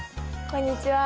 こんにちは。